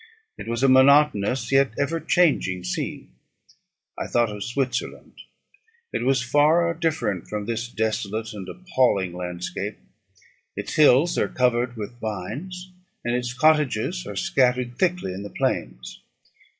It was a monotonous yet ever changing scene. I thought of Switzerland; it was far different from this desolate and appalling landscape. Its hills are covered with vines, and its cottages are scattered thickly in the plains.